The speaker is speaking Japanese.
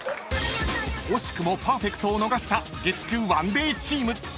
［惜しくもパーフェクトを逃した月９ＯＮＥＤＡＹチーム］